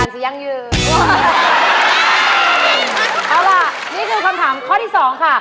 นี่คือคำถามข้อที่๒ค่ะ